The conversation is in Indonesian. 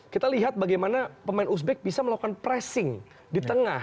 kita lihat bagaimana pemain uzbek bisa melakukan pressing di tengah